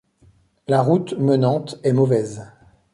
La route menante est mauvaise.